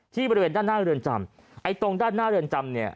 บริเวณด้านหน้าเรือนจำไอ้ตรงด้านหน้าเรือนจำเนี่ย